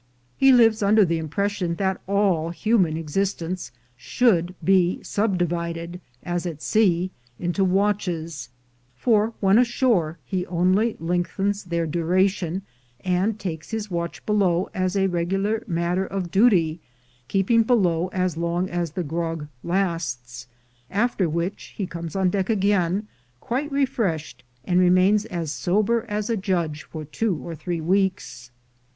He lives under the impression that all human exist ence should be subdivided, as at sea, into watches; for when ashore he only lengthens their duration, and takes his watch below as a regular matter of duty, keeping below as long as the grog lasts; after which he comes on deck again, quite refreshed, and remains as sober as a judge for two or three weeks.